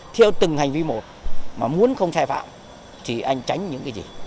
theo từng hành vi một mà muốn không sai phạm thì anh tránh những cái gì